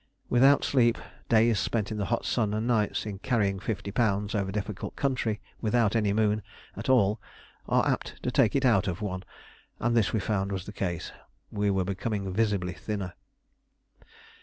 Without sleep, days spent in the hot sun and nights in carrying fifty pounds over difficult country without any moon at all are apt to take it out of one, and this we found was the case. We were becoming visibly thinner.